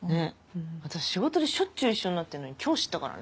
私仕事でしょっちゅう一緒になってるのに今日知ったからね。